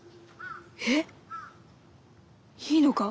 えっ？いいのか？